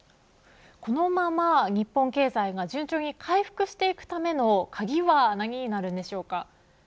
このまま日本経済が順調に回復していくための鍵は何になるのでしょうか。